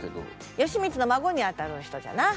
義満の孫にあたる人じゃな。